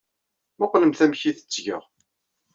Mmuqqlemt amek ay t-ttgeɣ!